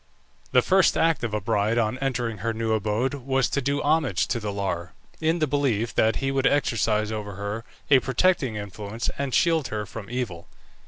The first act of a bride on entering her new abode was to do homage to the Lar, in the belief that he would exercise over her a protecting influence and shield her from evil.